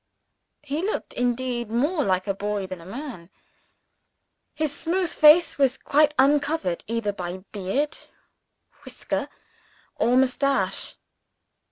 He looked indeed more like a boy than a man: his smooth face was quite uncovered, either by beard, whisker, or mustache.